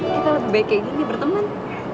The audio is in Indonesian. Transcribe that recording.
kita lebih baik kayak gini berteman